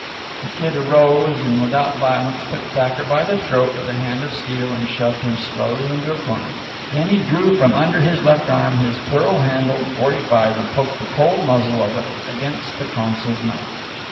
The Kid arose and, without violence, took Thacker by the throat with a hand of steel, and shoved him slowly into a corner. Then he drew from under his left arm his pearl handled .45 and poked the cold muzzle of it against the consul's mouth.